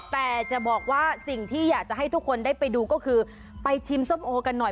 แต่จะบอกว่าสิ่งที่อยากจะให้ทุกคนได้ไปดูก็คือไปชิมส้มโอกันหน่อย